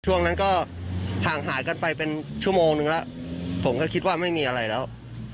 ช่วงนั้นก็ห่างหายกันไปเป็นชั่วโมงนึงแล้วผมก็คิดว่าไม่มีอะไรแล้ว